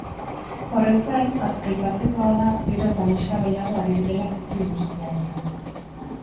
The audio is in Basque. Horrez gain, aipatzekoa da gero eta neska gehiago ari direla ziklo industrialetan.